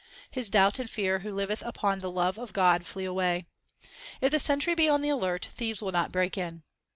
1 His doubt and fear who liveth upon the love of God flee away. If the sentry be on the alert, thieves will not break in.